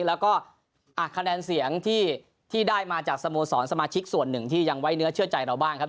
แล้วก็คะแนนเสียงที่ได้มาจากสโมสรสมาชิกส่วนหนึ่งที่ยังไว้เนื้อเชื่อใจเราบ้างครับ